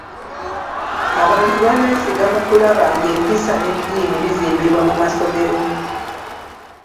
Abantu babeesiga mu kulaba ng'empisa n'eddiini bizimbibwa mu masomero.